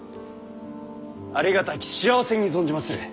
ありがたき幸せに存じまする！